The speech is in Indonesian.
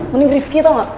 mending rifki tau gak